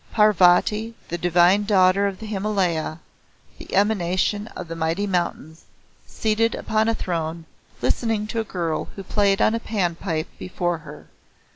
Parvati, the Divine Daughter of the Himalaya, the Emanation of the mighty mountains, seated upon a throne, listening to a girl who played on a Pan pipe before her.